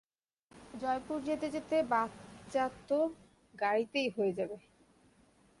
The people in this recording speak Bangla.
জয়পুর যেতে যেতে বাচ্চা তো গাড়িতেই হয়ে যাবে।